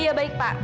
iya baik pak